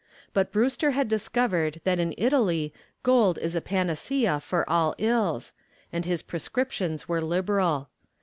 But Brewster had discovered that in Italy gold is a panacea for all ills, and his prescriptions were liberal.